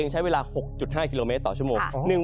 ใช้เวลา๖๕กิโลเมตรต่อชั่วโมง